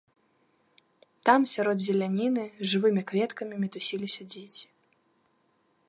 Там, сярод зеляніны, жывымі кветкамі мітусіліся дзеці.